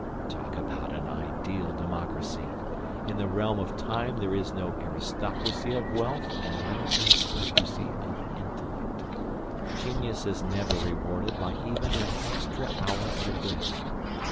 Talk about an ideal democracy! In the realm of time there is no aristocracy of wealth, and no aristocracy of intellect. Genius is never rewarded by even an extra hour a day.